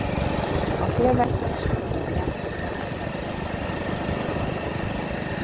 A filmet nagy sikerrel játszották a gyermek-tévécsatornák.